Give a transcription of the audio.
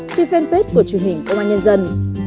trên fanpage của truyền hình công an nhân dân